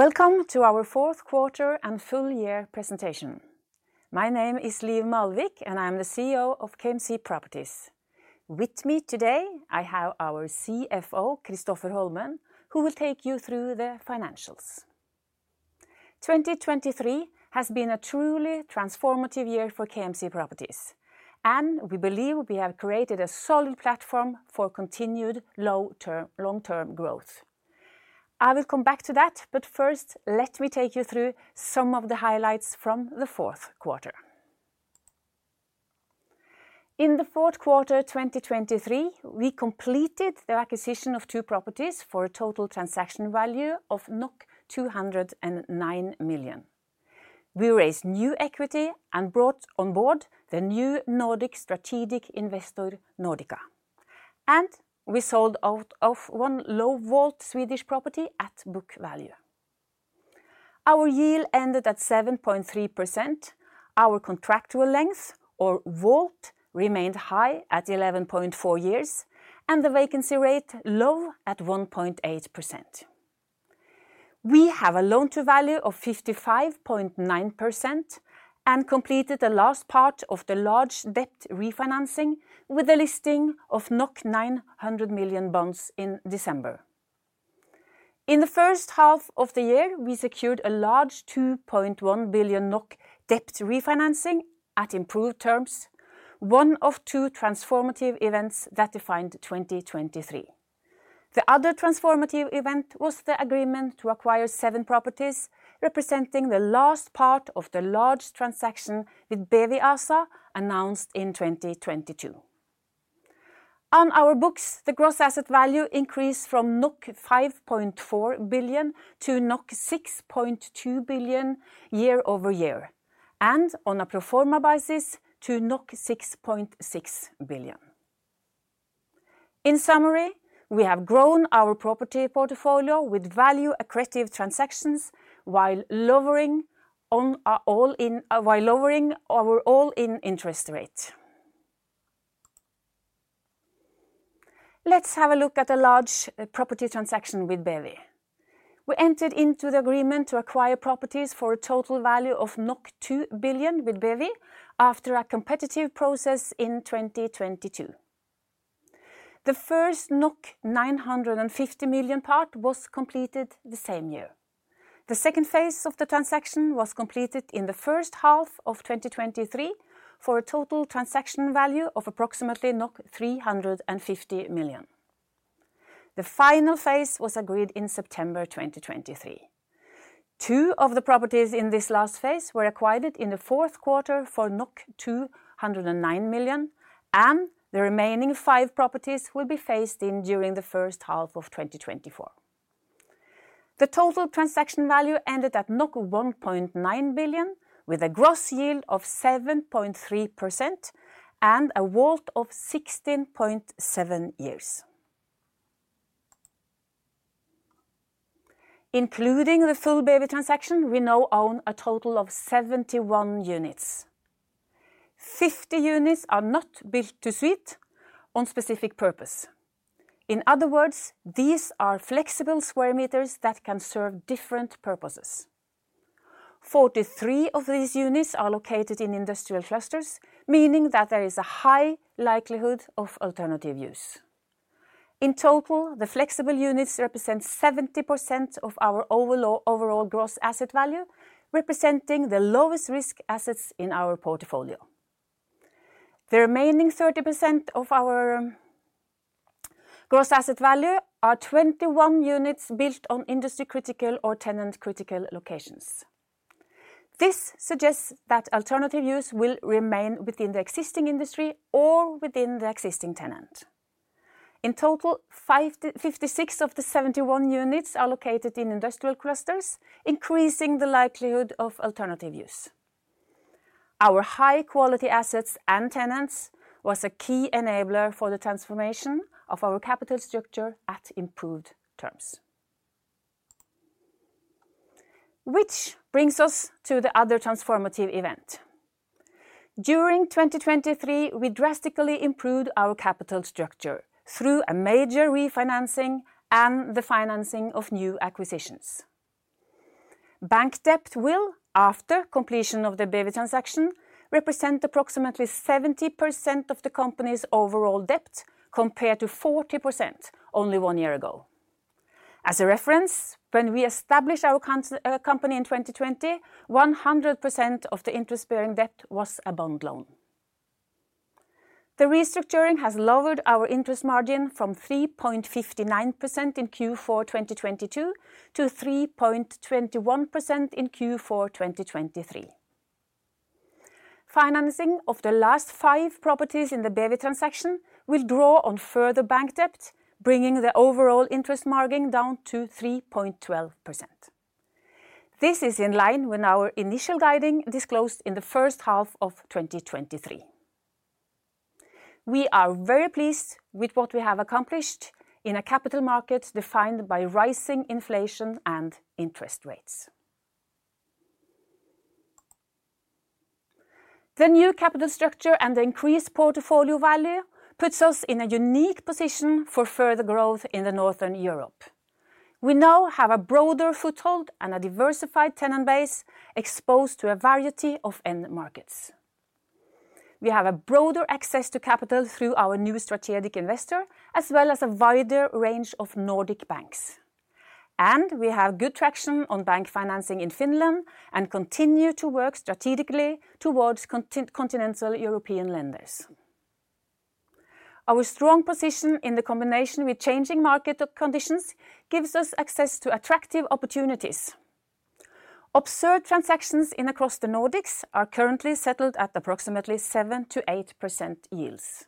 Welcome to our fourth quarter and full-year presentation. My name is Liv Malvik, and I'm the CEO of KMC Properties. With me today, I have our CFO, Kristoffer Holmen, who will take you through the financials. 2023 has been a truly transformative year for KMC Properties, and we believe we have created a solid platform for continued long-term growth. I will come back to that, but first, let me take you through some of the highlights from the fourth quarter. In the fourth quarter 2023, we completed the acquisition of two properties for a total transaction value of 209 million. We raised new equity and brought on board the new Nordic strategic investor, Nordika, and we sold off one low-WAULT Swedish property at book value. Our yield ended at 7.3%, our contractual length, or WAULT, remained high at 11.4 years, and the vacancy rate low at 1.8%. We have a loan-to-value of 55.9% and completed the last part of the large debt refinancing with a listing of 900 million bonds in December. In the first half of the year, we secured a large 2.1 billion NOK debt refinancing at improved terms, one of two transformative events that defined 2023. The other transformative event was the agreement to acquire seven properties, representing the last part of the large transaction with BEWI ASA, announced in 2022. On our books, the gross asset value increased from 5.4 billion to 6.2 billion year-over-year, and on a pro forma basis, to 6.6 billion. In summary, we have grown our property portfolio with value accretive transactions while lowering our all-in interest rate. Let's have a look at a large property transaction with BEWI. We entered into the agreement to acquire properties for a total value of 2 billion with BEWI after a competitive process in 2022. The first 950 million part was completed the same year. The second phase of the transaction was completed in the first half of 2023 for a total transaction value of approximately 350 million. The final phase was agreed in September 2023. Two of the properties in this last phase were acquired in the fourth quarter for 209 million, and the remaining five properties will be phased in during the first half of 2024. The total transaction value ended at 1.9 billion, with a gross yield of 7.3% and a WAULT of 16.7 years. Including the full BEWI transaction, we now own a total of 71 units. 50 units are not built to suit on specific purpose. In other words, these are flexible square meters that can serve different purposes. 43 of these units are located in industrial clusters, meaning that there is a high likelihood of alternative use. In total, the flexible units represent 70% of our overall gross asset value, representing the lowest risk assets in our portfolio. The remaining 30% of our gross asset value are 21 units built on industry-critical or tenant-critical locations. This suggests that alternative use will remain within the existing industry or within the existing tenant. In total, 56 of the 71 units are located in industrial clusters, increasing the likelihood of alternative use. Our high-quality assets and tenants were a key enabler for the transformation of our capital structure at improved terms. Which brings us to the other transformative event. During 2023, we drastically improved our capital structure through a major refinancing and the financing of new acquisitions. Bank debt will, after completion of the BEWI transaction, represent approximately 70% of the company's overall debt compared to 40% only one year ago. As a reference, when we established our company in 2020, 100% of the interest-bearing debt was a bond loan. The restructuring has lowered our interest margin from 3.59% in Q4 2022 to 3.21% in Q4 2023. Financing of the last five properties in the BEWI transaction will draw on further bank debt, bringing the overall interest margin down to 3.12%. This is in line with our initial guiding disclosed in the first half of 2023. We are very pleased with what we have accomplished in a capital market defined by rising inflation and interest rates. The new capital structure and the increased portfolio value puts us in a unique position for further growth in Northern Europe. We now have a broader foothold and a diversified tenant base exposed to a variety of end markets. We have a broader access to capital through our new strategic investor, as well as a wider range of Nordic banks. We have good traction on bank financing in Finland and continue to work strategically towards continental European lenders. Our strong position in the combination with changing market conditions gives us access to attractive opportunities. Asset transactions across the Nordics are currently settled at approximately 7%-8% yields.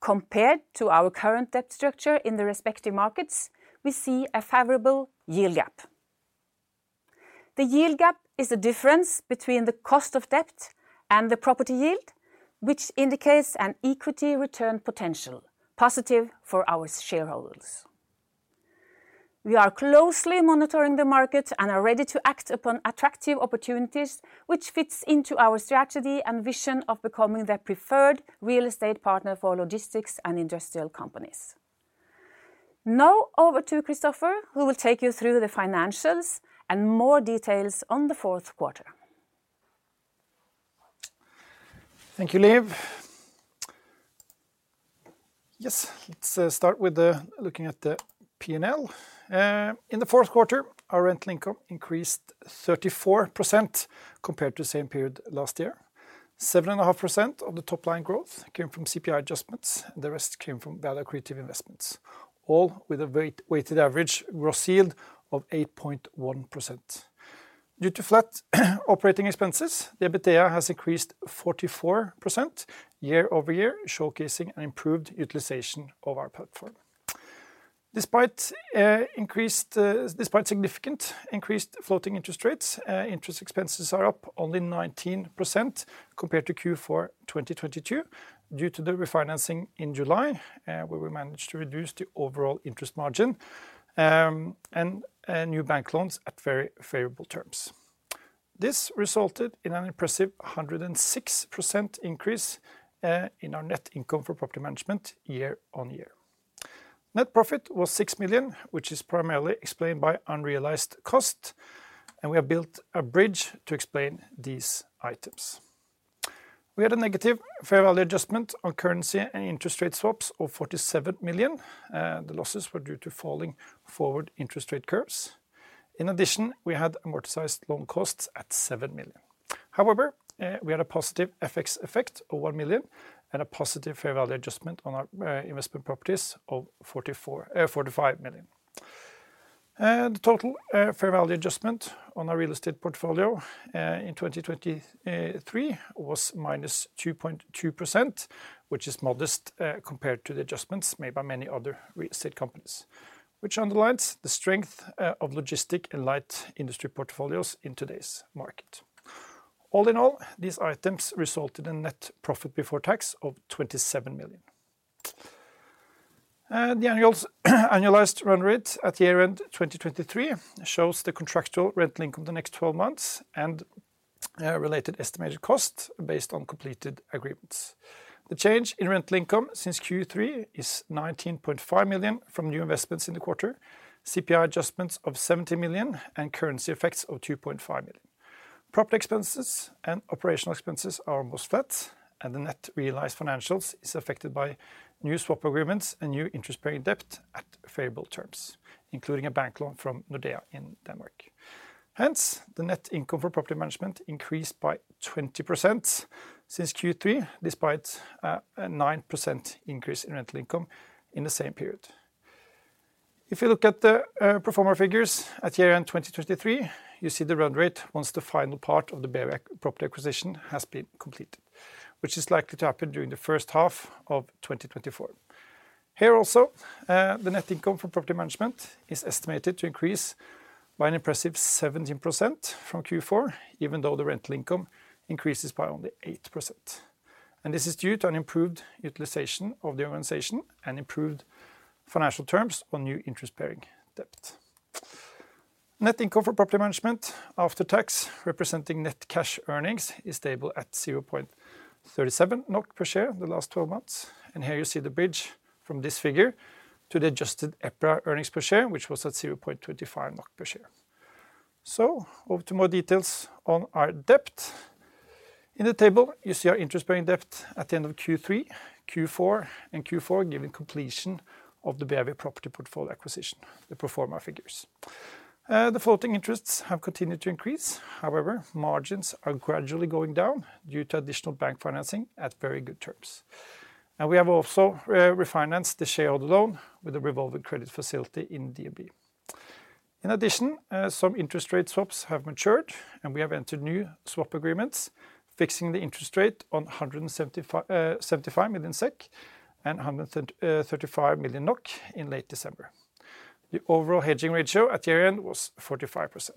Compared to our current debt structure in the respective markets, we see a favorable yield gap. The yield gap is the difference between the cost of debt and the property yield, which indicates an equity return potential positive for our shareholders. We are closely monitoring the market and are ready to act upon attractive opportunities, which fits into our strategy and vision of becoming the preferred real estate partner for logistics and industrial companies. Now over to Kristoffer, who will take you through the financials and more details on the fourth quarter. Thank you, Liv. Yes, let's start with looking at the P&L. In the fourth quarter, our rental income increased 34% compared to the same period last year. 7.5% of the top-line growth came from CPI adjustments, and the rest came from value accretive investments, all with a weighted average gross yield of 8.1%. Due to flat operating expenses, the EBITDA has increased 44% year-over-year, showcasing an improved utilization of our platform. Despite significant increased floating interest rates, interest expenses are up only 19% compared to Q4 2022 due to the refinancing in July, where we managed to reduce the overall interest margin and new bank loans at very favorable terms. This resulted in an impressive 106% increase in our net income for property management year-on-year. Net profit was 6 million, which is primarily explained by unrealized costs, and we have built a bridge to explain these items. We had a negative fair value adjustment on currency and interest rate swaps of 47 million. The losses were due to falling forward interest rate curves. In addition, we had amortized loan costs at 7 million. However, we had a positive FX effect of 1 million and a positive fair value adjustment on our investment properties of 45 million. The total fair value adjustment on our real estate portfolio in 2023 was -2.2%, which is modest compared to the adjustments made by many other real estate companies, which underlines the strength of logistic and light industry portfolios in today's market. All in all, these items resulted in net profit before tax of 27 million. The annualized run rate at year-end 2023 shows the contractual rental income the next 12 months and related estimated costs based on completed agreements. The change in rental income since Q3 is 19.5 million from new investments in the quarter, CPI adjustments of 70 million, and currency effects of 2.5 million. Property expenses and operational expenses are most flat, and the net realized financials are affected by new swap agreements and new interest-bearing debt at favorable terms, including a bank loan from Nordea in Denmark. Hence, the net income for property management increased by 20% since Q3, despite a 9% increase in rental income in the same period. If you look at the pro forma figures at year-end 2023, you see the run rate once the final part of the BEWI property acquisition has been completed, which is likely to happen during the first half of 2024. Here also, the net income for property management is estimated to increase by an impressive 17% from Q4, even though the rental income increases by only 8%. This is due to an improved utilization of the organization and improved financial terms on new interest-bearing debt. Net income for property management after tax, representing net cash earnings, is stable at 0.37 NOK per share the last 12 months. Here you see the bridge from this figure to the adjusted EPRA earnings per share, which was at 0.25 NOK per share. Over to more details on our debt. In the table, you see our interest-bearing debt at the end of Q3, Q4, and Q4 given completion of the BEWI property portfolio acquisition, the pro forma figures. The floating interests have continued to increase. However, margins are gradually going down due to additional bank financing at very good terms. We have also refinanced the shareholder loan with a revolving credit facility in DKK. In addition, some interest rate swaps have matured, and we have entered new swap agreements fixing the interest rate on 175 million SEK and 135 million NOK in late December. The overall hedging ratio at year-end was 45%.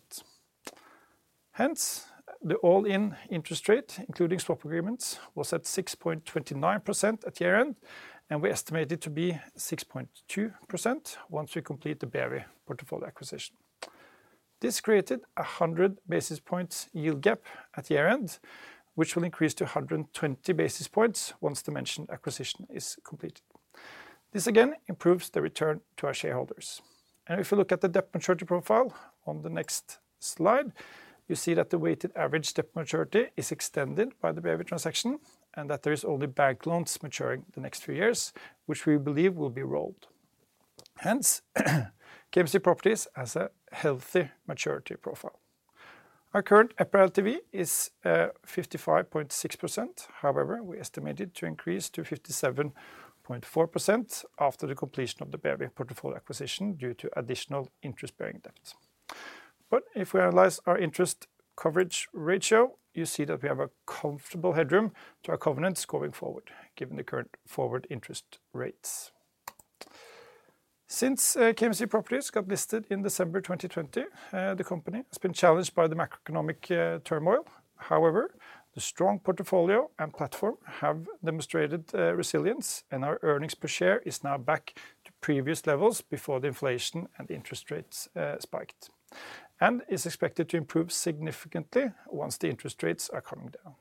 Hence, the all-in interest rate, including swap agreements, was at 6.29% at year-end, and we estimated it to be 6.2% once we complete the BEWI portfolio acquisition. This created a 100 basis points yield gap at year-end, which will increase to 120 basis points once the mentioned acquisition is completed. This, again, improves the return to our shareholders. If you look at the debt maturity profile on the next slide, you see that the weighted average debt maturity is extended by the BEWI transaction and that there are only bank loans maturing the next few years, which we believe will be rolled. Hence, KMC Properties has a healthy maturity profile. Our current EPRA LTV is 55.6%. However, we estimated it to increase to 57.4% after the completion of the BEWI portfolio acquisition due to additional interest-bearing debt. If we analyze our interest coverage ratio, you see that we have a comfortable headroom to our covenants going forward, given the current forward interest rates. Since KMC Properties got listed in December 2020, the company has been challenged by the macroeconomic turmoil. However, the strong portfolio and platform have demonstrated resilience, and our earnings per share are now back to previous levels before the inflation and interest rates spiked, and are expected to improve significantly once the interest rates are coming down.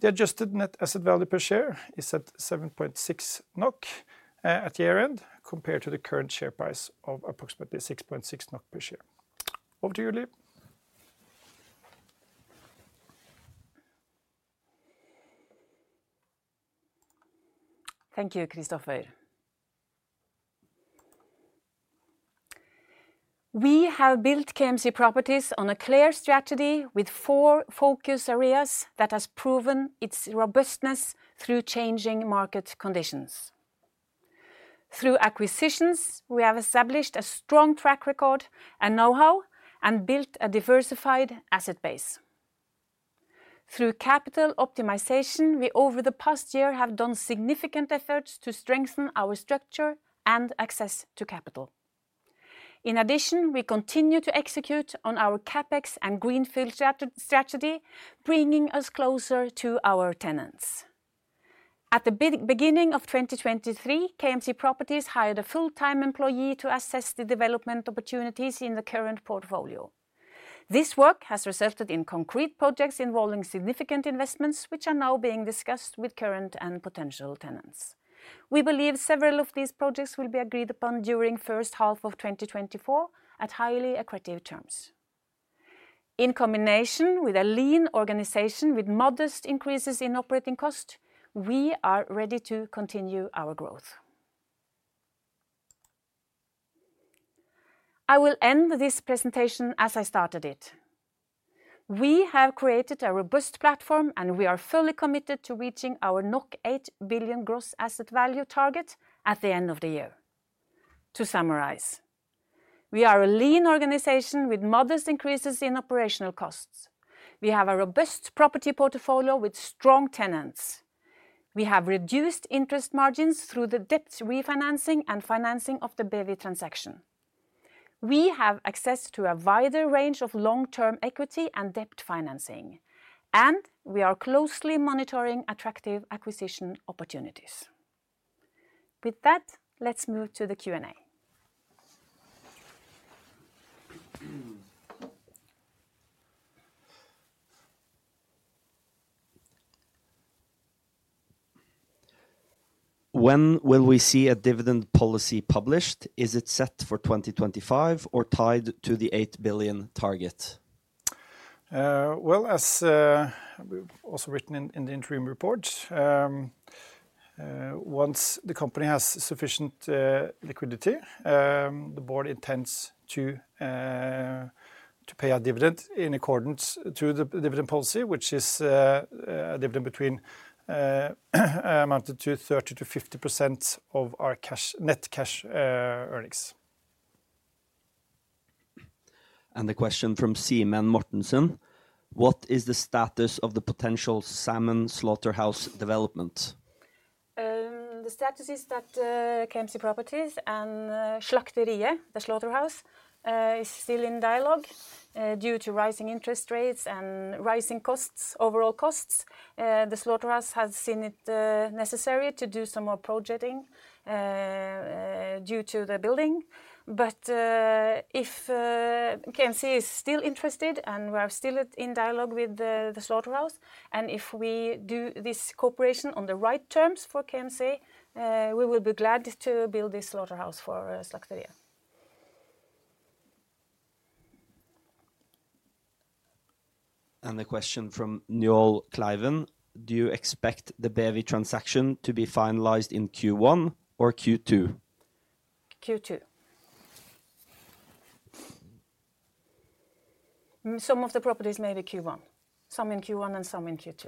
The adjusted net asset value per share is at 7.6 NOK at year-end compared to the current share price of approximately 6.6 NOK per share. Over to you, Liv. Thank you, Kristoffer. We have built KMC Properties on a clear strategy with four focus areas that have proven its robustness through changing market conditions. Through acquisitions, we have established a strong track record and know-how and built a diversified asset base. Through capital optimization, we over the past year have done significant efforts to strengthen our structure and access to capital. In addition, we continue to execute on our CapEx and greenfield strategy, bringing us closer to our tenants. At the beginning of 2023, KMC Properties hired a full-time employee to assess the development opportunities in the current portfolio. This work has resulted in concrete projects involving significant investments, which are now being discussed with current and potential tenants. We believe several of these projects will be agreed upon during the first half of 2024 at highly accretive terms. In combination with a lean organization with modest increases in operating costs, we are ready to continue our growth. I will end this presentation as I started it. We have created a robust platform, and we are fully committed to reaching our 8 billion gross asset value target at the end of the year. To summarize, we are a lean organization with modest increases in operational costs. We have a robust property portfolio with strong tenants. We have reduced interest margins through the debt refinancing and financing of the BEWI transaction. We have access to a wider range of long-term equity and debt financing, and we are closely monitoring attractive acquisition opportunities. With that, let's move to the Q&A. When will we see a dividend policy published? Is it set for 2025 or tied to the 8 billion target? Well, as we've also written in the interim report, once the company has sufficient liquidity, the board intends to pay a dividend in accordance to the dividend policy, which is a dividend amounting to 30%-50% of our net cash earnings. The question from Simen Mortensen: What is the status of the potential Salmon Slaughterhouse development? The status is that KMC Properties and Slakteriet, the slaughterhouse, are still in dialogue due to rising interest rates and rising overall costs. The slaughterhouse has seen it necessary to do some more projecting due to the building. But if KMC is still interested and we are still in dialogue with the slaughterhouse, and if we do this cooperation on the right terms for KMC, we will be glad to build this slaughterhouse for Slakteriet. The question from Njål Klyven: Do you expect the BEWI transaction to be finalized in Q1 or Q2? Q2. Some of the properties may be Q1. Some in Q1 and some in Q2.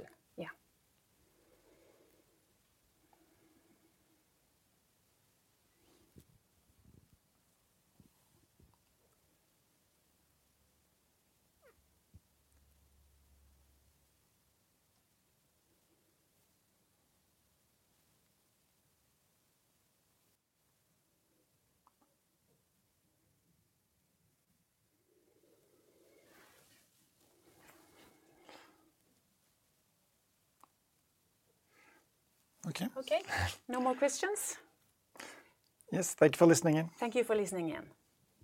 Yeah. Okay. Okay. No more questions? Yes. Thank you for listening in. Thank you for listening in.